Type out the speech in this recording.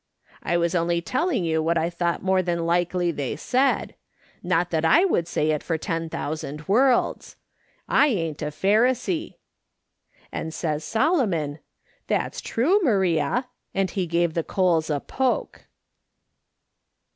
I was only telling you what I thought more than likely they said. Not that I would say it for ten thousand worlds. I ain't a Pharisee.' And says Solomon :"' That's true, Maria ;' and he gave the coals a poke."